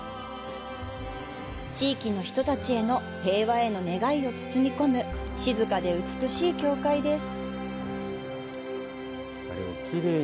地域の人たちへの平和への願いを包み込む静かで美しい教会です。